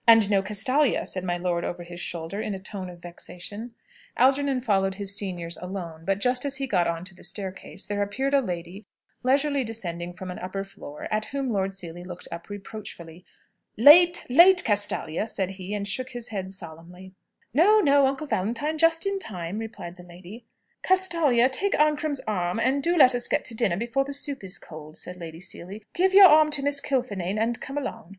"And no Castalia!" said my lord over his shoulder, in a tone of vexation. Algernon followed his seniors alone; but just as he got out on to the staircase there appeared a lady, leisurely descending from an upper floor, at whom Lord Seely looked up reproachfully. "Late, late, Castalia!" said he, and shook his head solemnly. "Oh no, Uncle Valentine; just in time," replied the lady. "Castalia, take Ancram's arm, and do let us get to dinner before the soup is cold," said Lady Seely. "Give your arm to Miss Kilfinane, and come along."